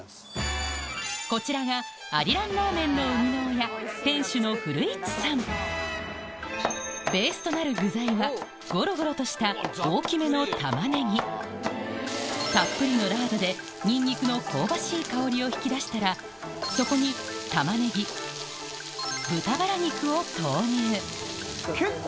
こちらがアリランラーメンの生みの親ベースとなる具材はゴロゴロとした大きめのタマネギたっぷりのラードでニンニクの香ばしい香りを引き出したらそこにタマネギ豚バラ肉を投入